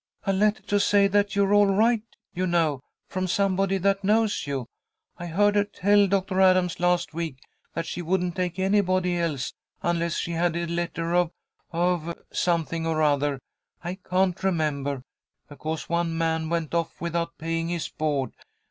"A letter to say that you're all right, you know, from somebody that knows you. I heard her tell Doctor Adams last week that she wouldn't take anybody else unless she had a letter of of something or other, I can't remember, because one man went off without paying his board.